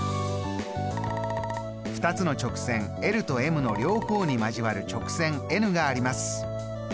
２つの直線ｌとｍの両方に交わる直線ｎがあります。